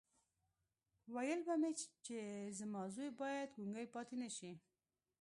ويل به مې چې زما زوی بايد ګونګی پاتې نه شي.